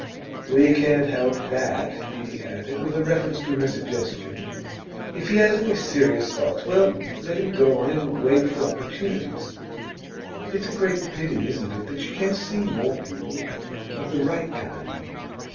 'We can't help that,' he added, with reference to her suggestion. 'If he has any serious thoughts, well, let him go on and wait for opportunities.' 'It's a great pity, isn't it, that she can't see more people of the right kind?